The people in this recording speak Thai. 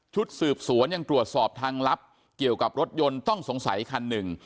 สืบสวนยังตรวจสอบทางลับเกี่ยวกับรถยนต์ต้องสงสัยคันหนึ่ง